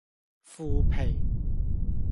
負皮